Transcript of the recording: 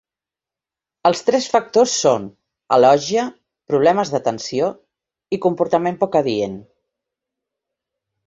Els tres factors són: alògia, problemes d'atenció i comportament poc adient.